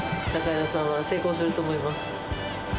榮田さんは成功すると思います。